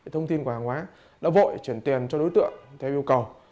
thông tin của hàng hóa đã vội chuyển tiền cho đối tượng theo yêu cầu